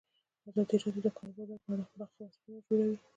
ازادي راډیو د د کار بازار په اړه پراخ بحثونه جوړ کړي.